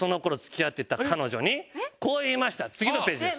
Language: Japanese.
次のページです。